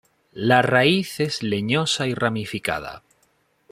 La raíz es leñosa y ramificada.